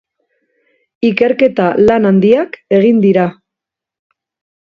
Ikerketa lan handiak egin dira.